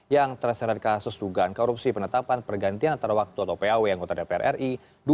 yang terserah kasus dugaan korupsi penetapan pergantian antara waktu atau paw yang otaknya pri dua ribu sembilan belas dua ribu dua puluh empat